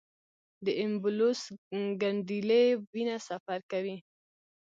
د ایمبولوس ګڼېدلې وینه سفر کوي.